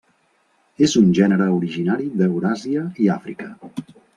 És un gènere originari d'Euràsia i Àfrica.